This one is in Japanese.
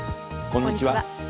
こんにちは。